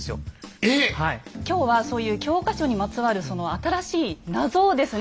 今日はそういう教科書にまつわるその新しい謎をですね